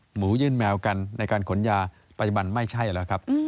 หมูยื่นแมวกันในการขนยาปัจจุบันไม่ใช่แล้วครับ